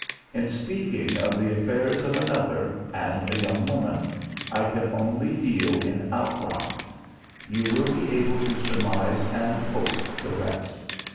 In speaking of the affairs of another, and a young woman, I can only deal in outlines. You will be able to surmise and hope the rest.